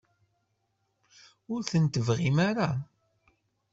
Ur ten-tebɣim ara?